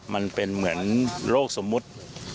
มันเป็นเหมือนโรคสมมุติ